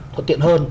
thuận tiện hơn